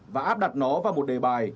và áp đặt nó vào một đề bài